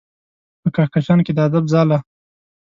په کهکشان کې د ادب ځاله